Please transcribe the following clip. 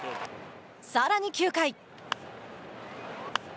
さらに９回。